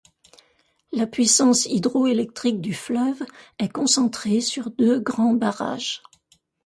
La puissance hydroélectrique du fleuve est concentrée sur deux grands barrages.